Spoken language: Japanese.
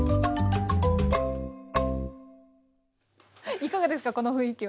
いかがですかこの雰囲気は。